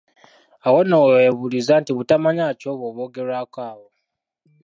Awo nno we weebuuliza nti butamanya ki obwo obwogerwako awo?